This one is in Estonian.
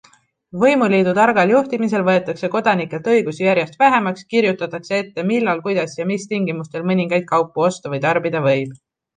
Võimuliidu targal juhtimisel võetakse kodanikelt õigusi järjest vähemaks, kirjutatakse ette, millal, kuidas ja mis tingimustel mõningaid kaupu osta või tarbida võib.